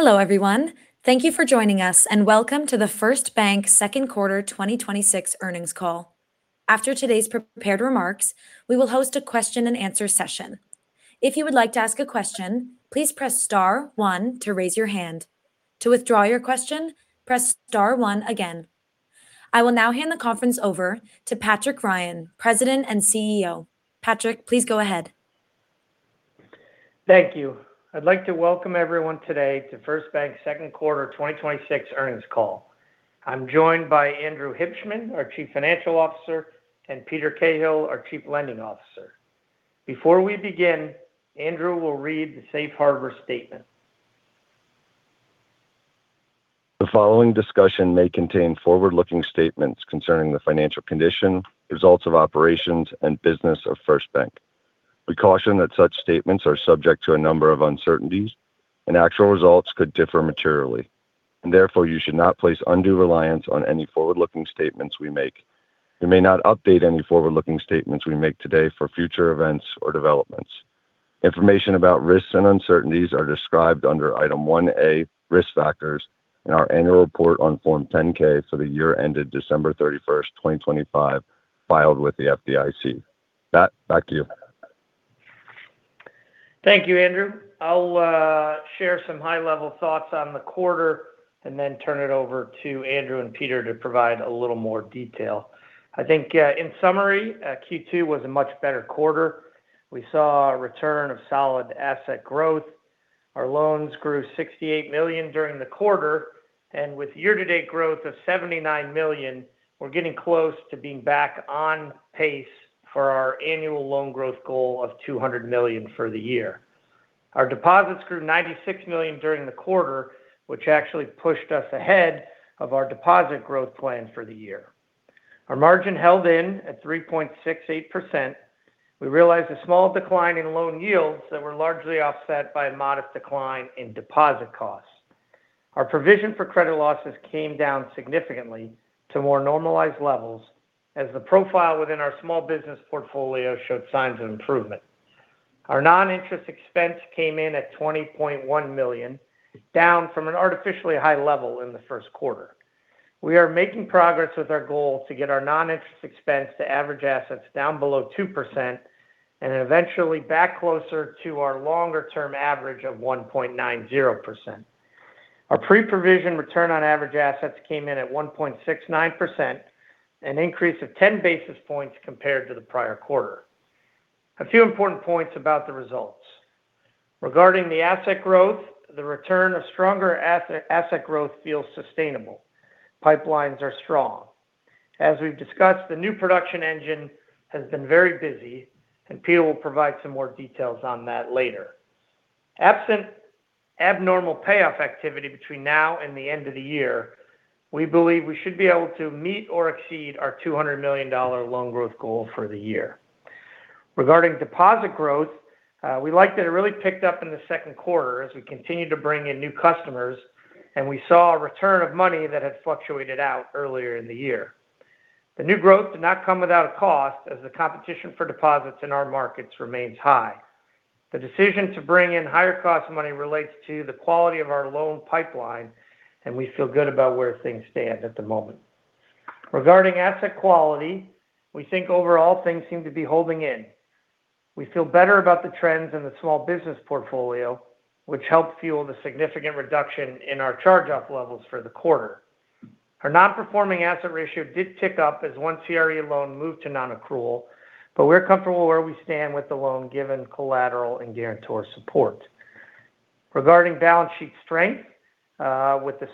Hello, everyone. Thank you for joining us, and welcome to the First Bank second quarter 2026 earnings call. After today's prepared remarks, we will host a question-and-answer session. If you would like to ask a question, please press star one to raise your hand. To withdraw your question, press star one again. I will now hand the conference over to Patrick Ryan, President and CEO. Patrick, please go ahead. Thank you. I'd like to welcome everyone today to First Bank second quarter 2026 earnings call. I'm joined by Andrew Hibshman, our Chief Financial Officer, and Peter Cahill, our Chief Lending Officer. Before we begin, Andrew will read the Safe Harbor statement. The following discussion may contain forward-looking statements concerning the financial condition, results of operations, and business of First Bank. We caution that such statements are subject to a number of uncertainties, and actual results could differ materially, and therefore you should not place undue reliance on any forward-looking statements we make. We may not update any forward-looking statements we make today for future events or developments. Information about risks and uncertainties are described under Item 1A, Risk Factors, in our annual report on Form 10-K for the year ended December 31st, 2025, filed with the FDIC. Pat, back to you. Thank you, Andrew. I'll share some high-level thoughts on the quarter and then turn it over to Andrew and Peter to provide a little more detail. I think, in summary, Q2 was a much better quarter. We saw a return of solid asset growth. Our loans grew $68 million during the quarter, and with year-to-date growth of $79 million, we're getting close to being back on pace for our annual loan growth goal of $200 million for the year. Our deposits grew $96 million during the quarter, which actually pushed us ahead of our deposit growth plan for the year. Our margin held in at 3.68%. We realized a small decline in loan yields that were largely offset by a modest decline in deposit costs. Our provision for credit losses came down significantly to more normalized levels as the profile within our small business portfolio showed signs of improvement. Our non-interest expense came in at $20.1 million, down from an artificially high level in the first quarter. We are making progress with our goal to get our non-interest expense to average assets down below 2% and then eventually back closer to our longer-term average of 1.90%. Our pre-provision return on average assets came in at 1.69%, an increase of 10 basis points compared to the prior quarter. A few important points about the results. Regarding the asset growth, the return of stronger asset growth feels sustainable. Pipelines are strong. As we've discussed, the new production engine has been very busy, and Peter will provide some more details on that later. Absent abnormal payoff activity between now and the end of the year, we believe we should be able to meet or exceed our $200 million loan growth goal for the year. Regarding deposit growth, we like that it really picked up in the second quarter as we continued to bring in new customers, and we saw a return of money that had fluctuated out earlier in the year. The new growth did not come without a cost, as the competition for deposits in our markets remains high. The decision to bring in higher-cost money relates to the quality of our loan pipeline, and we feel good about where things stand at the moment. Regarding asset quality, we think overall things seem to be holding in. We feel better about the trends in the small business portfolio, which helped fuel the significant reduction in our charge-off levels for the quarter. Our non-performing asset ratio did tick up as one CRE loan moved to non-accrual, but we're comfortable where we stand with the loan given collateral and guarantor support. Regarding balance sheet strength,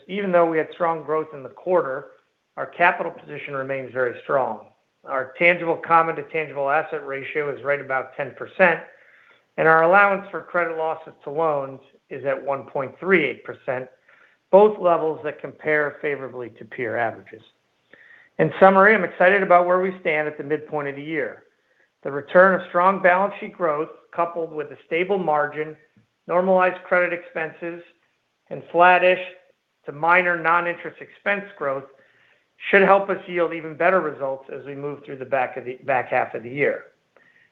even though we had strong growth in the quarter, our capital position remains very strong. Our tangible common to tangible asset ratio is right about 10%, and our allowance for credit losses to loans is at 1.38%, both levels that compare favorably to peer averages. In summary, I'm excited about where we stand at the midpoint of the year. The return of strong balance sheet growth, coupled with a stable margin, normalized credit expenses, and flattish to minor non-interest expense growth should help us yield even better results as we move through the back half of the year.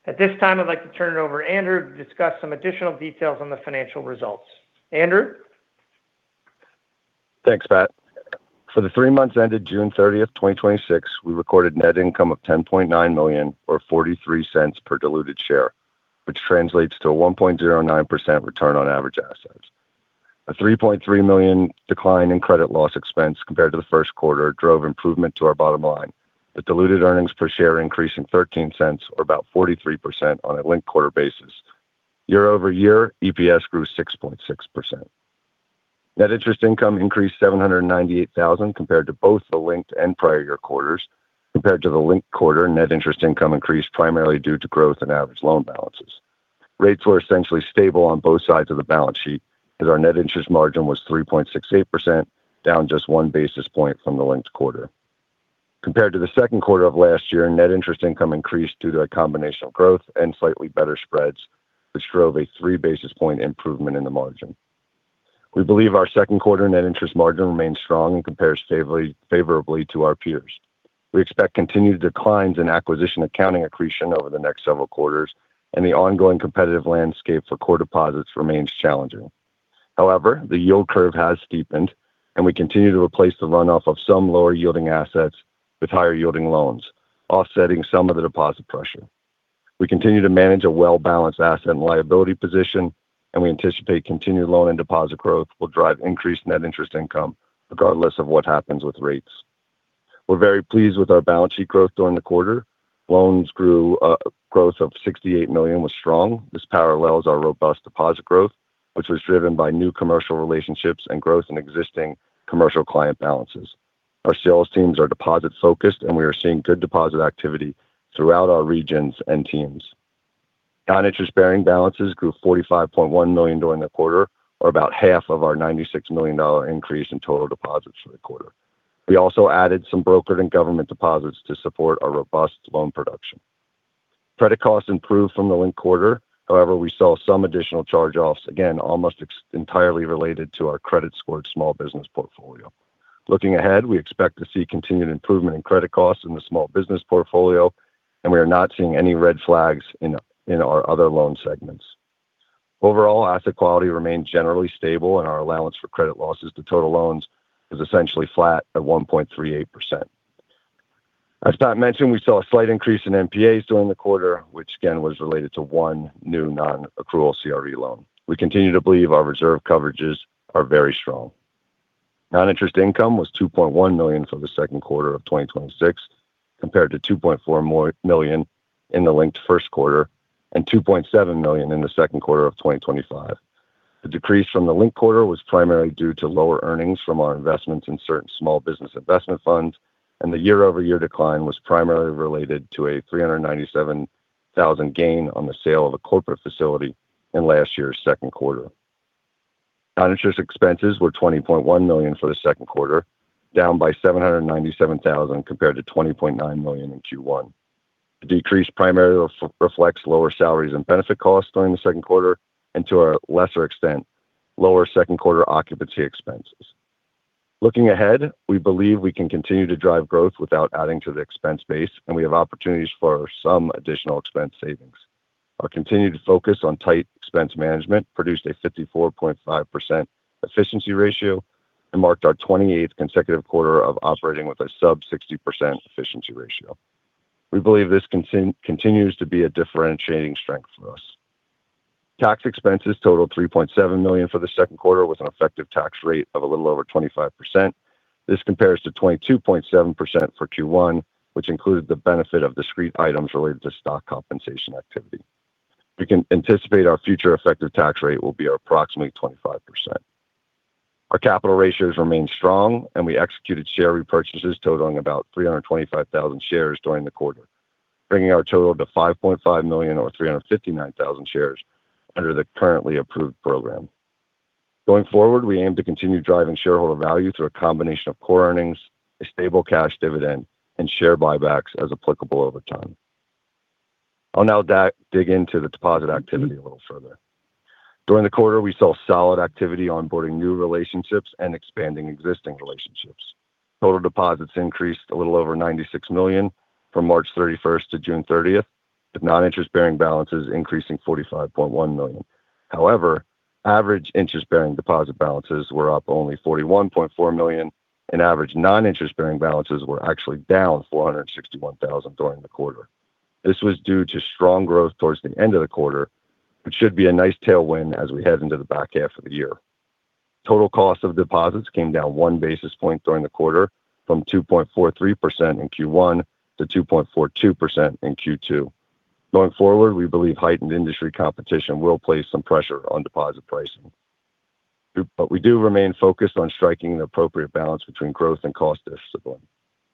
At this time, I'd like to turn it over to Andrew to discuss some additional details on the financial results. Andrew? Thanks, Pat. For the three months ended June 30th, 2026, we recorded net income of $10.9 million, or $0.43 per diluted share, which translates to a 1.09% return on average assets. A $3.3 million decline in credit loss expense compared to the first quarter drove improvement to our bottom line. The diluted earnings per share increased $0.13, or about 43% on a linked-quarter basis. Year-over-year, EPS grew 6.6%. Net interest income increased $798,000 compared to both the linked and prior year quarters. Compared to the linked quarter, net interest income increased primarily due to growth in average loan balances. Rates were essentially stable on both sides of the balance sheet, as our net interest margin was 3.68%, down just 1 basis point from the linked quarter. Compared to the second quarter of last year, net interest income increased due to a combination of growth and slightly better spreads, which drove 3 basis point improvement in the margin. We believe our second quarter net interest margin remains strong and compares favorably to our peers. We expect continued declines in acquisition accounting accretion over the next several quarters. The ongoing competitive landscape for core deposits remains challenging. However, the yield curve has steepened. We continue to replace the runoff of some lower-yielding assets with higher-yielding loans, offsetting some of the deposit pressure. We continue to manage a well-balanced asset and liability position. We anticipate continued loan and deposit growth will drive increased net interest income regardless of what happens with rates. We're very pleased with our balance sheet growth during the quarter. Loans growth of $68 million was strong. This parallels our robust deposit growth, which was driven by new commercial relationships and growth in existing commercial client balances. Our sales teams are deposit-focused. We are seeing good deposit activity throughout our regions and teams. Non-interest-bearing balances grew $45.1 million during the quarter, or about half of our $96 million increase in total deposits for the quarter. We also added some brokered and government deposits to support our robust loan production. Credit costs improved from the linked quarter. However, we saw some additional charge-offs, again, almost entirely related to our credit-scored small business portfolio. Looking ahead, we expect to see continued improvement in credit costs in the small business portfolio. We are not seeing any red flags in our other loan segments. Overall, asset quality remained generally stable, and our allowance for credit losses to total loans is essentially flat at 1.38%. As Pat mentioned, we saw a slight increase in NPAs during the quarter, which again was related to one new non-accrual CRE loan. We continue to believe our reserve coverages are very strong. Non-interest income was $2.1 million for the second quarter of 2026, compared to $2.4 million in the linked first quarter and $2.7 million in the second quarter of 2025. The decrease from the linked quarter was primarily due to lower earnings from our investments in certain small business investment funds. The year-over-year decline was primarily related to a $397,000 gain on the sale of a corporate facility in last year's second quarter. Non-interest expenses were $20.1 million for the second quarter, down by $797,000 compared to $20.9 million in Q1. The decrease primarily reflects lower salaries and benefit costs during the second quarter. To a lesser extent, lower second quarter occupancy expenses. Looking ahead, we believe we can continue to drive growth without adding to the expense base. We have opportunities for some additional expense savings. Our continued focus on tight expense management produced a 54.5% efficiency ratio and marked our 28th consecutive quarter of operating with a sub 60% efficiency ratio. We believe this continues to be a differentiating strength for us. Tax expenses totaled $3.7 million for the second quarter with an effective tax rate of a little over 25%. This compares to 22.7% for Q1, which included the benefit of discrete items related to stock compensation activity. We can anticipate our future effective tax rate will be approximately 25%. Our capital ratios remain strong. We executed share repurchases totaling about 325,000 shares during the quarter, bringing our total to 5.5 million or 359,000 shares under the currently approved program. Going forward, we aim to continue driving shareholder value through a combination of core earnings, a stable cash dividend and share buybacks as applicable over time. I'll now dig into the deposit activity a little further. During the quarter, we saw solid activity onboarding new relationships and expanding existing relationships. Total deposits increased a little over $96 million from March 31st to June 30th, with non-interest-bearing balances increasing $45.1 million. However, average interest-bearing deposit balances were up only $41.4 million, and average non-interest-bearing balances were actually down $461,000 during the quarter. This was due to strong growth towards the end of the quarter, which should be a nice tailwind as we head into the back half of the year. Total cost of deposits came down 1 basis point during the quarter from 2.43% in Q1 to 2.42% in Q2. Going forward, we believe heightened industry competition will place some pressure on deposit pricing. We do remain focused on striking an appropriate balance between growth and cost discipline.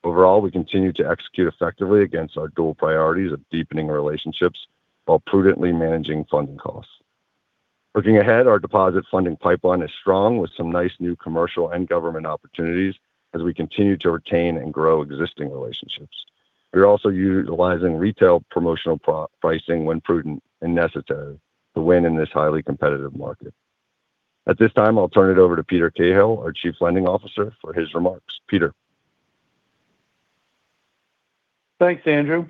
Overall, we continue to execute effectively against our dual priorities of deepening relationships while prudently managing funding costs. Looking ahead, our deposit funding pipeline is strong with some nice new commercial and government opportunities as we continue to retain and grow existing relationships. We are also utilizing retail promotional pricing when prudent and necessary to win in this highly competitive market. At this time, I'll turn it over to Peter Cahill, our Chief Lending Officer, for his remarks. Peter? Thanks, Andrew.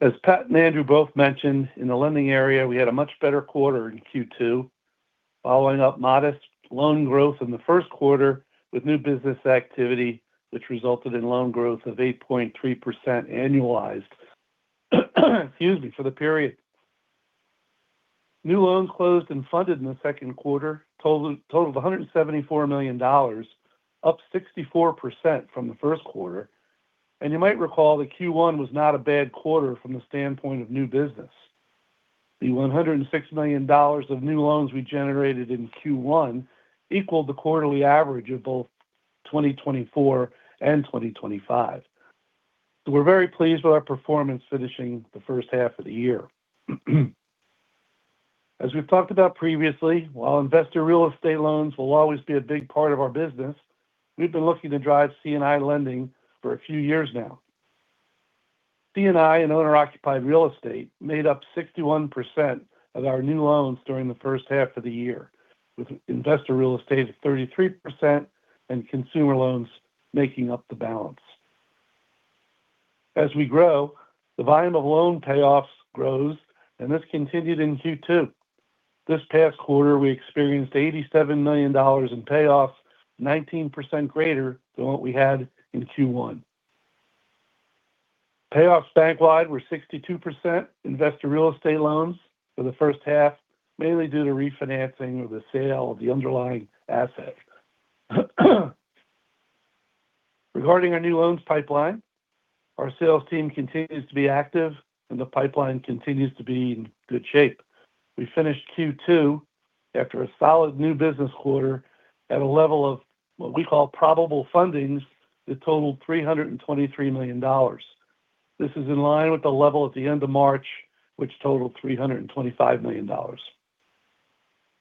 As Pat and Andrew both mentioned, in the lending area, we had a much better quarter in Q2, following up modest loan growth in the first quarter with new business activity, which resulted in loan growth of 8.3% annualized, excuse me, for the period. New loans closed and funded in the second quarter totaled $174 million, up 64% from the first quarter. You might recall that Q1 was not a bad quarter from the standpoint of new business. The $106 million of new loans we generated in Q1 equaled the quarterly average of both 2024 and 2025. We're very pleased with our performance finishing the first half of the year. As we've talked about previously, while investor real estate loans will always be a big part of our business, we've been looking to drive C&I lending for a few years now. C&I and owner-occupied real estate made up 61% of our new loans during the first half of the year, with investor real estate at 33% and consumer loans making up the balance. As we grow, the volume of loan payoffs grows, and this continued in Q2. This past quarter, we experienced $87 million in payoffs, 19% greater than what we had in Q1. Payoffs bank-wide were 62% investor real estate loans for the first half, mainly due to refinancing or the sale of the underlying asset. Regarding our new loans pipeline, our sales team continues to be active, and the pipeline continues to be in good shape. We finished Q2 after a solid new business quarter at a level of what we call probable fundings that totaled $323 million. This is in line with the level at the end of March, which totaled $325 million.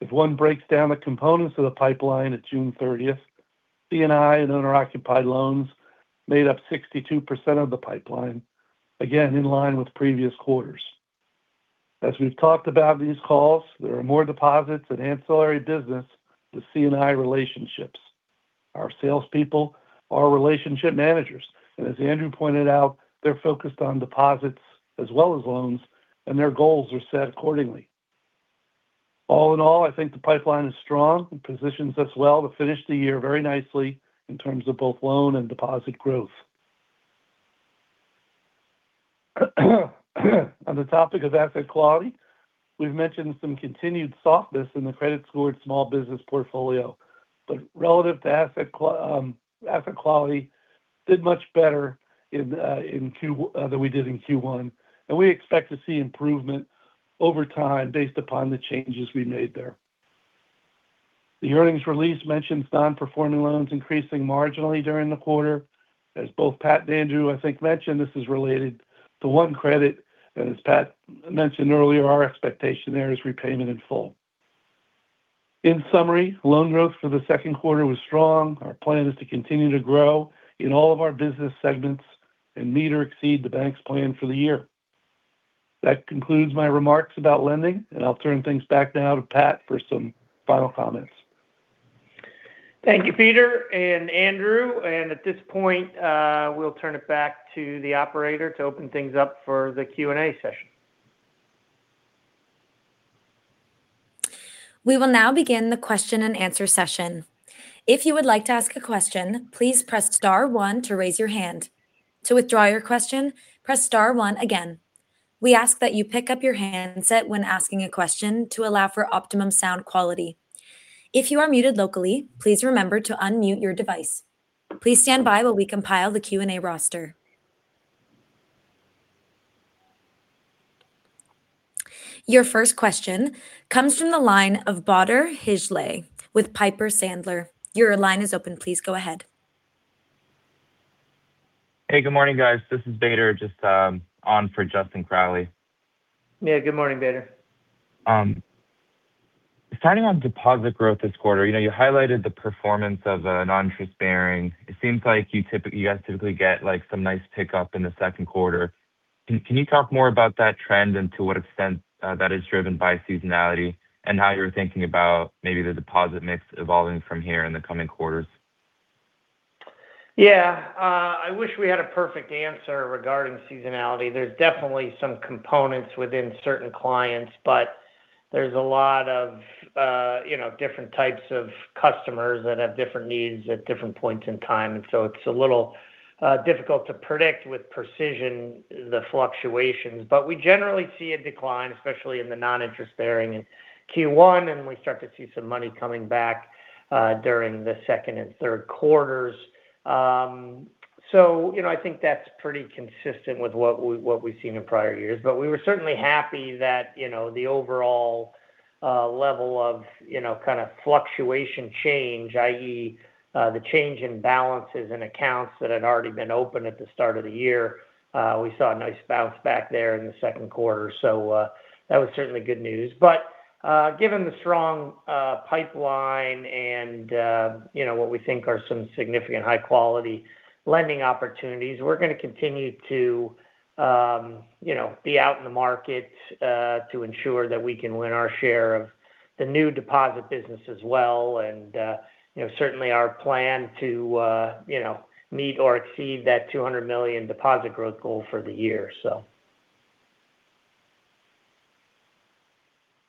If one breaks down the components of the pipeline at June 30th, C&I and owner-occupied loans made up 62% of the pipeline, again, in line with previous quarters. As we've talked about these calls, there are more deposits and ancillary business with C&I relationships. Our salespeople are relationship managers, and as Andrew pointed out, they're focused on deposits as well as loans, and their goals are set accordingly. All in all, I think the pipeline is strong and positions us well to finish the year very nicely in terms of both loan and deposit growth. On the topic of asset quality, we've mentioned some continued softness in the credit scored small business portfolio, but relative to asset quality, did much better than we did in Q1, and we expect to see improvement over time based upon the changes we made there. The earnings release mentions non-performing loans increasing marginally during the quarter. As both Pat and Andrew, I think, mentioned, this is related to one credit, and as Pat mentioned earlier, our expectation there is repayment in full. In summary, loan growth for the second quarter was strong. Our plan is to continue to grow in all of our business segments and meet or exceed the bank's plan for the year. That concludes my remarks about lending, and I'll turn things back now to Pat for some final comments. Thank you, Peter and Andrew. At this point, we'll turn it back to the operator to open things up for the Q&A session. We will now begin the question-and-answer session. If you would like to ask a question, please press star one to raise your hand. To withdraw your question, press star one again. We ask that you pick up your handset when asking a question to allow for optimum sound quality. If you are muted locally, please remember to unmute your device. Please stand by while we compile the Q&A roster. Your first question comes from the line of Bader Hijleh with Piper Sandler. Your line is open. Please go ahead. Hey, good morning, guys. This is Bader, just on for Justin Crowley. Yeah. Good morning, Bader. Starting on deposit growth this quarter. You highlighted the performance of a non-interest bearing. It seems like you guys typically get some nice pickup in the second quarter. Can you talk more about that trend and to what extent that is driven by seasonality and how you're thinking about maybe the deposit mix evolving from here in the coming quarters? Yeah. I wish we had a perfect answer regarding seasonality. There's definitely some components within certain clients, but there's a lot of different types of customers that have different needs at different points in time, and it's a little difficult to predict with precision the fluctuations. We generally see a decline, especially in the non-interest bearing in Q1, and we start to see some money coming back during the second and third quarters. I think that's pretty consistent with what we've seen in prior years. We were certainly happy that the overall level of kind of fluctuation change, i.e., the change in balances and accounts that had already been open at the start of the year. We saw a nice bounce back there in the second quarter, that was certainly good news. Given the strong pipeline and what we think are some significant high-quality lending opportunities, we're going to continue to be out in the market to ensure that we can win our share of the new deposit business as well, and certainly our plan to meet or exceed that $200 million deposit growth goal for the year.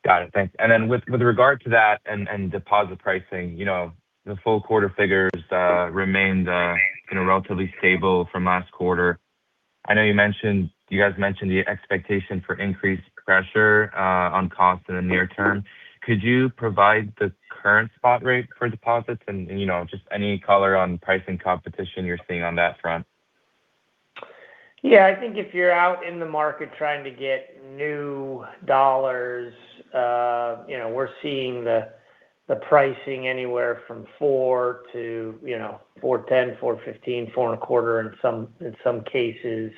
Got it. Thanks. Then with regard to that and deposit pricing, the full quarter figures remained relatively stable from last quarter. I know you guys mentioned the expectation for increased pressure on cost in the near term. Could you provide the current spot rate for deposits and just any color on pricing competition you're seeing on that front? I think if you're out in the market trying to get new dollars, we're seeing the pricing anywhere from 4%-4.10%, 4.15%, 4.25% in some cases.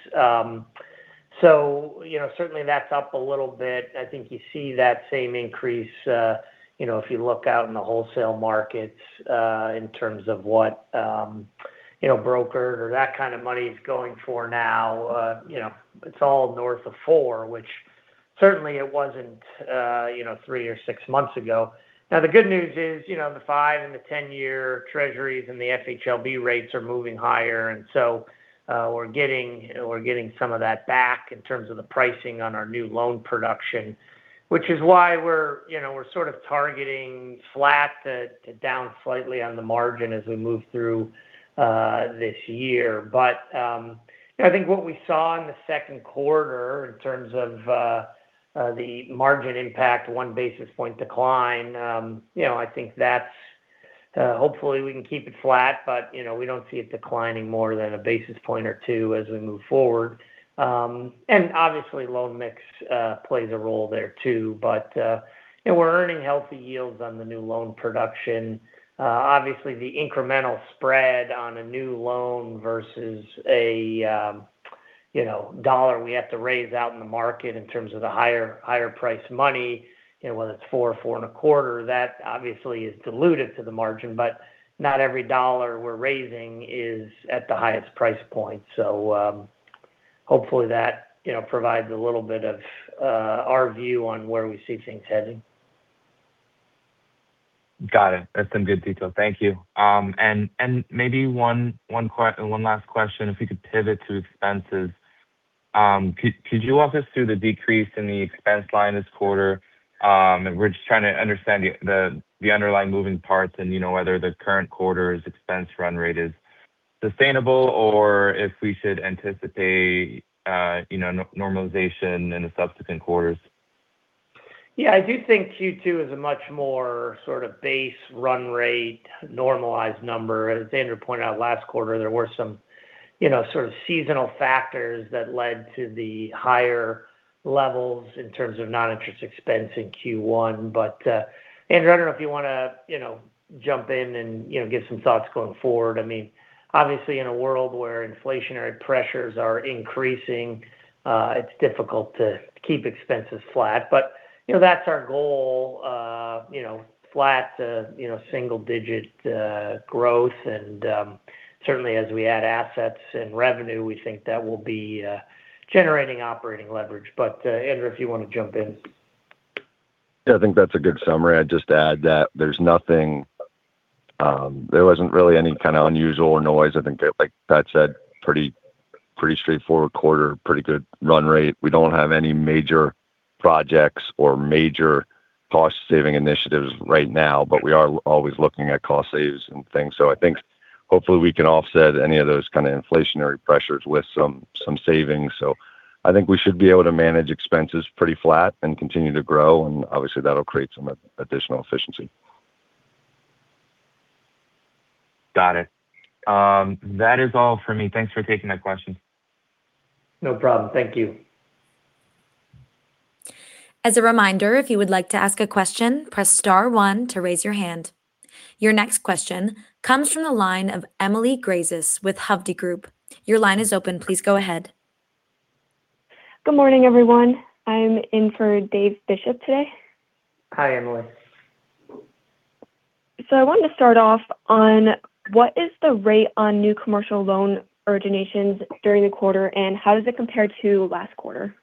Certainly that's up a little bit. I think you see that same increase if you look out in the wholesale markets in terms of what brokered or that kind of money is going for now. It's all north of 4%, which certainly it wasn't three or six months ago. Now, the good news is the five and the 10-year Treasuries and the FHLB rates are moving higher, so we're getting some of that back in terms of the pricing on our new loan production, which is why we're sort of targeting flat to down slightly on the margin as we move through this year. I think what we saw in the second quarter in terms of the margin impact, 1 basis point decline, I think that's hopefully we can keep it flat. We don't see it declining more than 1 basis point or 2 basis points as we move forward. Obviously loan mix plays a role there too. We're earning healthy yields on the new loan production. Obviously, the incremental spread on a new loan versus a dollar we have to raise out in the market in terms of the higher price money, whether it's 4%, 4.25%, that obviously is diluted to the margin. Not every dollar we're raising is at the highest price point. Hopefully that provides a little bit of our view on where we see things heading. Got it. That's some good detail. Thank you. Maybe one last question. If we could pivot to expenses. Could you walk us through the decrease in the expense line this quarter? We're just trying to understand the underlying moving parts and whether the current quarter's expense run rate is sustainable or if we should anticipate normalization in the subsequent quarters. I do think Q2 is a much more sort of base run rate normalized number. As Andrew pointed out last quarter, there were some sort of seasonal factors that led to the higher levels in terms of non-interest expense in Q1. Andrew, I don't know if you want to jump in and give some thoughts going forward. Obviously in a world where inflationary pressures are increasing, it's difficult to keep expenses flat. That's our goal, flat to single-digit growth. Certainly as we add assets and revenue, we think that will be generating operating leverage. Andrew, if you want to jump in. I think that's a good summary. I'd just add that there wasn't really any kind of unusual noise. I think that like Pat said, pretty straightforward quarter, pretty good run rate. We don't have any major projects or major cost-saving initiatives right now, but we are always looking at cost saves and things. I think hopefully we can offset any of those kind of inflationary pressures with some savings. I think we should be able to manage expenses pretty flat and continue to grow, and obviously that'll create some additional efficiency. Got it. That is all for me. Thanks for taking that question. No problem. Thank you. As a reminder, if you would like to ask a question, press star one to raise your hand. Your next question comes from the line of [Emily Gracious] with Hovde Group. Your line is open. Please go ahead. Good morning, everyone. I'm in for David Bishop today. Hi, Emily. I wanted to start off on what is the rate on new commercial loan originations during the quarter, and how does it compare to last quarter?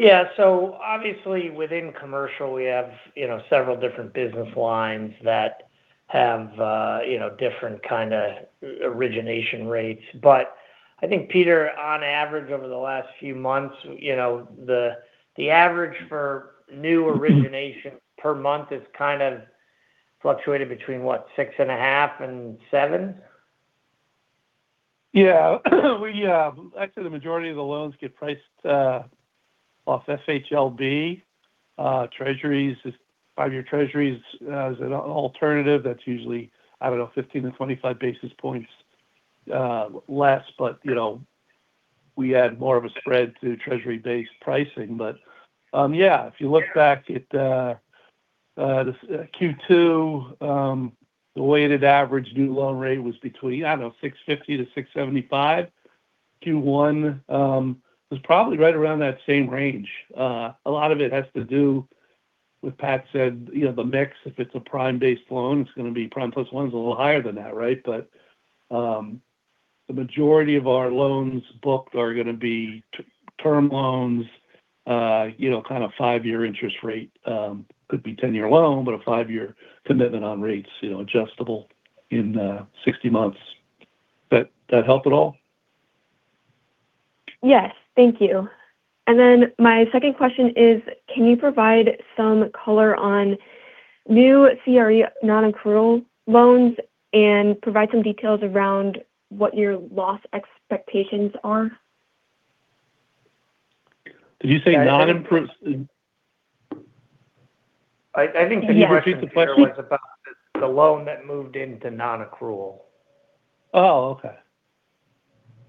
Obviously within commercial, we have several different business lines that have different kind of origination rates. I think Peter, on average over the last few months, the average for new origination per month has kind of fluctuated between what? Six and a half and seven? Actually the majority of the loans get priced off FHLB. Five year Treasury is an alternative that's usually, I don't know, 15 basis points-25 basis points less. We add more of a spread to Treasury-based pricing. If you look back at Q2, the weighted average new loan rate was between, I don't know, 650 basis points-675 basis points. Q1 was probably right around that same range. A lot of it has to do with what Pat said, the mix. If it's a prime-based loan, it's going to be prime plus one's a little higher than that, right? The majority of our loans booked are going to be term loans kind of five year interest rate. Could be 10-year loan, but a five year commitment on rates adjustable in 60 months. Did that help at all? Yes. Thank you. My second question is, can you provide some color on new CRE non-accrual loans and provide some details around what your loss expectations are? Did you say non-accrual? I think the question- Can you repeat the question? ...was about the loan that moved into non-accrual. Oh, okay.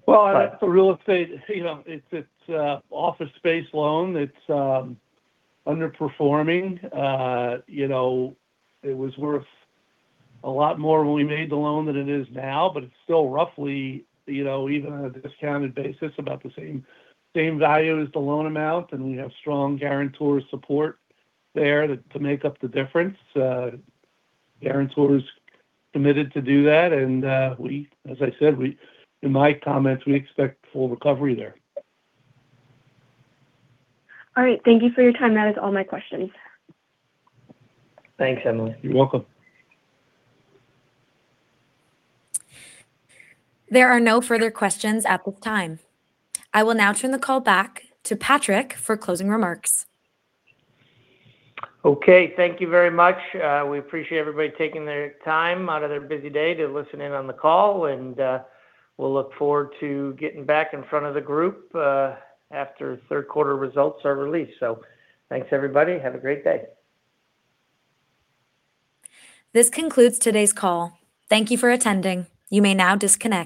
Well, for real estate, it's office space loan. It's underperforming. It was worth a lot more when we made the loan than it is now, but it's still roughly, even on a discounted basis, about the same value as the loan amount. We have strong guarantor support there to make up the difference. Guarantor's committed to do that. As I said in my comments, we expect full recovery there. All right. Thank you for your time. That is all my questions. Thanks, Emily. You're welcome. There are no further questions at this time. I will now turn the call back to Patrick for closing remarks. Okay, thank you very much. We appreciate everybody taking their time out of their busy day to listen in on the call. We'll look forward to getting back in front of the group after third quarter results are released. Thanks everybody. Have a great day. This concludes today's call. Thank you for attending. You may now disconnect.